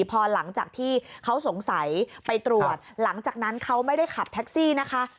พอหลังจากที่เขาสงสัยไปตรวจหลังจากนั้นเขาไม่ได้ขับแท็กซี่นะคะ